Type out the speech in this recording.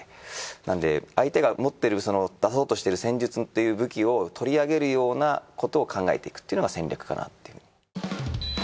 なんで相手が持ってるその出そうとしてる戦術っていう武器を取り上げるようなことを考えていくっていうのが戦略かなっていう。